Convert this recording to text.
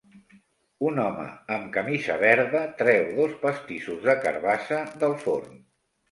Un home amb camisa verda treu dos pastissos de carbassa del forn.